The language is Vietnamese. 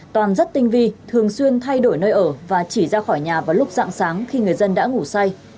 toàn rất tinh vi thường xuyên thay đổi nơi ở và chỉ ra khỏi nhà vào lúc dạng sáng khi người dân đã ngủ say